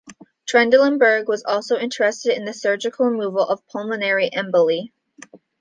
Trendelenburg was also interested in the surgical removal of pulmonary emboli.